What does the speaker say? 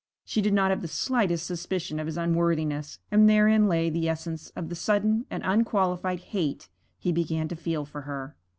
She did not have the slightest suspicion of his unworthiness, and therein lay the essence of the sudden and unqualified hate he began to feel for her.